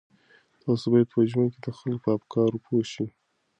تاسو باید په ژوند کې د خلکو په افکارو پوه شئ.